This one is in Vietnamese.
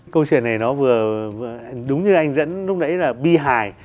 câu chuyện này nó vừa đúng như anh dẫn lúc đấy là bi hài